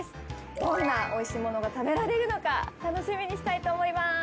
どんなおいしいものが食べられるのか楽しみにしたいと思います。